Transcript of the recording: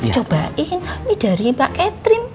coba ini dari pak catherine